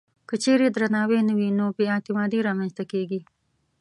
که چېرې درناوی نه وي، نو بې اعتمادي رامنځته کېږي.